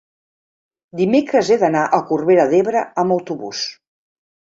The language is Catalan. dimecres he d'anar a Corbera d'Ebre amb autobús.